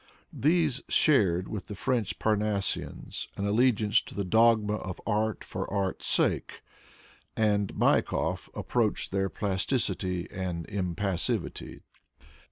These shared with the French Parnassians an allegiance to the dogma of art for art's sake, and Maikov approached their plasticity and impassivity